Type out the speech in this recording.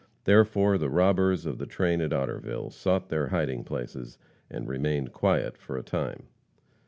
Therefore, the robbers of the train at Otterville sought their hiding places and remained quiet for a time.